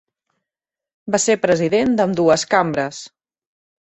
Va ser president d'ambdues cambres.